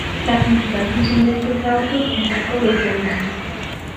La principal función de estos autos es el coleccionismo.